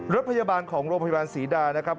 รถพยาบาลของโรงพยาบาลศรีดานะครับ